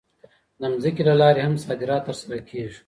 د ځمکې له لارې هم صادرات ترسره کېږي.